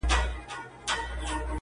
o بېګا خوب وینمه تاج پر سر باچا یم,